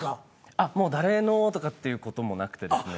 あっもう誰のとかっていう事もなくてですね。